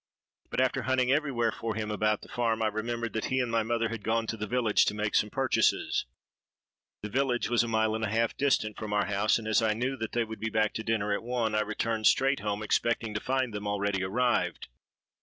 But after hunting every where for him about the farm, I remembered that he and my mother had gone to the village to make some purchases. The village was a mile and a half distant from our house; and as I knew that they would be back to dinner at one, I returned straight home, expecting to find them already arrived.